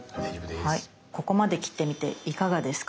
ここまで切ってみていかがですか？